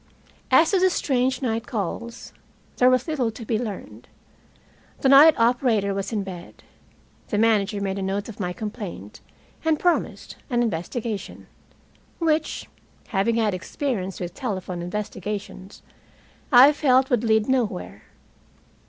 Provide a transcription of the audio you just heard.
As to the strange night calls, there was little to be learned. The night operator was in bed. The manager made a note of my complaint, and promised an investigation, which, having had experience with telephone investigations, I felt would lead nowhere.